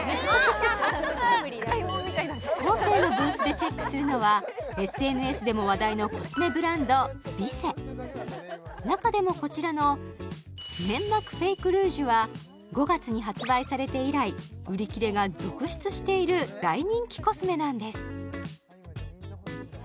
コーセーのブースでチェックするのはＳＮＳでも話題のコスメブランドヴィセ中でもこちらのネンマクフェイクルージュは５月に発売されて以来売り切れが続出している大人気コスメなんです